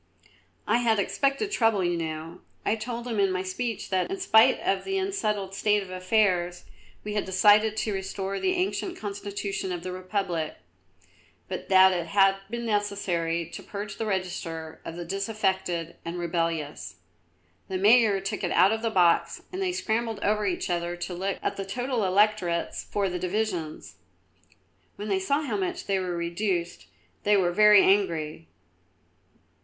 "I had expected trouble, you know. I told them in my speech that, in spite of the unsettled state of affairs, we had decided to restore the ancient Constitution of the Republic, but that it had been necessary to purge the register of the disaffected and rebellious. The Mayor took it out of the box and they scrambled over each other to look at the total electorates for the divisions. When they saw how much they were reduced they were very angry.